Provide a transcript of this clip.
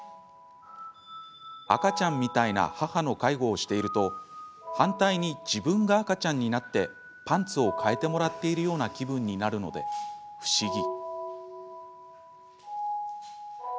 「赤ちゃんみたいな母の介護をしていると反対に自分が赤ちゃんになってパンツを替えてもらっているような気分になるので不思議」